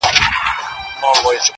هغه اوس اوړي غرونه غرونه پـــرېږدي~